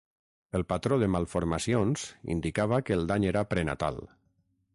El patró de malformacions indicava que el dany era prenatal.